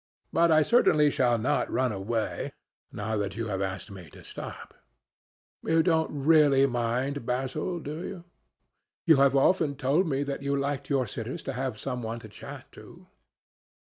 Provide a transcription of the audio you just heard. But I certainly shall not run away, now that you have asked me to stop. You don't really mind, Basil, do you? You have often told me that you liked your sitters to have some one to chat to."